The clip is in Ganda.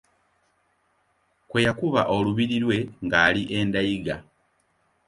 Kwe yakuba olubiri lwe ng’ali e ndayiga.